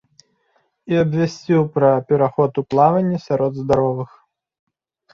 І абвясціў пра пераход у плаванне сярод здаровых.